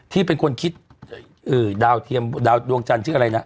ที่เป็นคนคิดดาวจรวงจันทร์ชื่ออะไรน่ะ